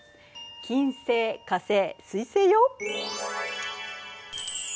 金星火星水星よ。